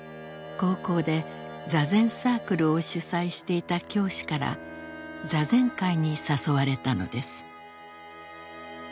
高校で坐禅サークルを主宰していた教師から坐禅会に誘われたのです。